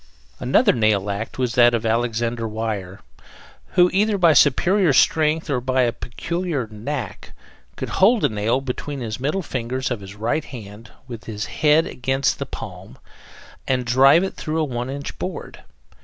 Another nail act was that of Alexander Weyer, who, either by superior strength or by a peculiar knack, could hold a nail between the middle fingers of his right hand with the head against the palm, and drive it through a one inch board.